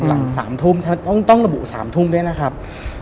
หลัง๓ทุ่มต้องระบุ๓ทุ่มด้วยนะครับ